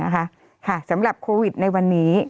สำหรับโควิดในวันนี้